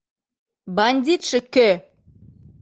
Бандитше кӧ?